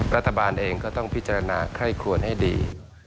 รัฐบาลเองก็ต้องพิจารณาไคร่ครวนให้ดี